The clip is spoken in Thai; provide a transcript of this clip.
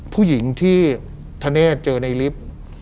ผู้หญิงที่ธเนธเจอในลิฟต์